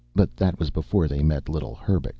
But that was before they met little Herbux!